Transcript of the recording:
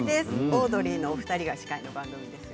オードリーのお二人が司会の番組です。